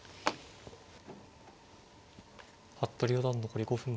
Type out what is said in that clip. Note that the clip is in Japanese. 服部四段残り５分です。